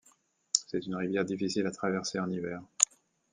C'est une rivière difficile à traverser en hiver.